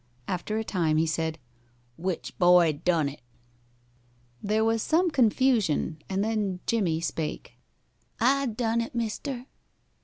After a time he said, "Which boy done it?" There was some confusion, and then Jimmie spake. "I done it, mister."